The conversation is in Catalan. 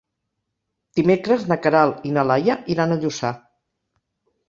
Dimecres na Queralt i na Laia iran a Lluçà.